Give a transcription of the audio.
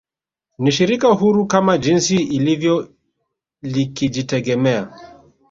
Ni Shirika huru kama jinsi ilivyo likijitegemea